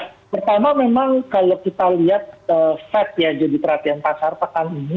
ya pertama memang kalau kita lihat fed ya jadi perhatian pasar pekan ini